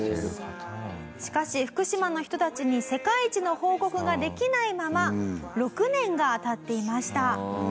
しかし福島の人たちに世界一の報告ができないまま６年が経っていました。